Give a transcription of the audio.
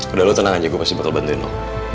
udah lo tenang aja gue pasti bakal bantuin lo